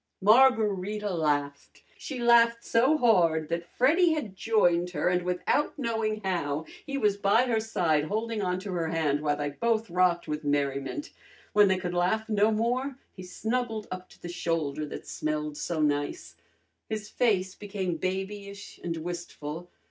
Margarita laughed. She laughed so hard that Freddy had joined her, and without knowing how, he was by her side, holding on to her hand while they both rocked with merriment. When they could laugh no more he snuggled up to the shoulder that smelled so nice. His face became babyish and wistful.